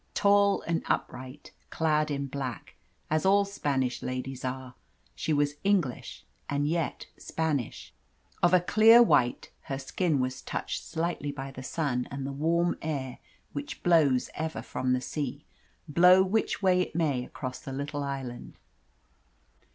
Tall and upright, clad in black, as all Spanish ladies are, she was English and yet Spanish. Of a clear white, her skin was touched slightly by the sun and the warm air which blows ever from the sea, blow which way it may across the little island.